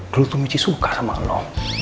kelutu michi suka sama anda